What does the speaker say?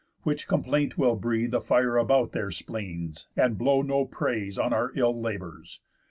Which complaint will breathe A fire about their spleens, and blow no praise On our ill labours.